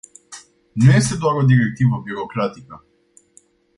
Nu este doar o directivă birocratică.